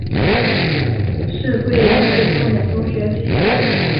是桂林市重点中学之一。